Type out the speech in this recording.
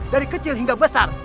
dari kecil hingga besar